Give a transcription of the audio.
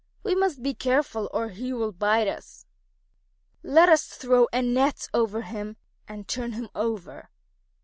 We must be careful or he will bite us. Let us throw a net over him and turn him over."